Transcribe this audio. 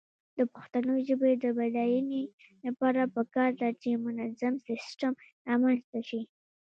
د پښتو ژبې د بډاینې لپاره پکار ده چې منظم سیسټم رامنځته شي.